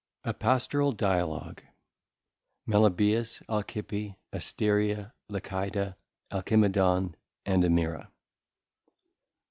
A Pastoral Dialogue. Melibæus, Alcippe, Asteria, Licida, Alcimedon, and Amira.